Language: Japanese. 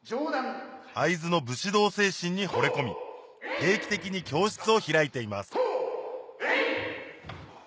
会津の武士道精神にほれ込み定期的に教室を開いていますえい！